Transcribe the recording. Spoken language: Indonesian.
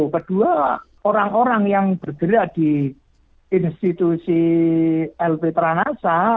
kedua orang orang yang bergerak di institusi lp teranasa